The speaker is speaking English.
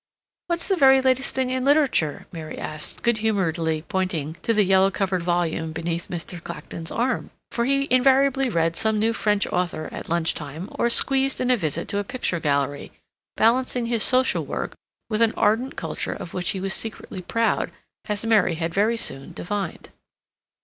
"What's the very latest thing in literature?" Mary asked, good humoredly pointing to the yellow covered volume beneath Mr. Clacton's arm, for he invariably read some new French author at lunch time, or squeezed in a visit to a picture gallery, balancing his social work with an ardent culture of which he was secretly proud, as Mary had very soon divined.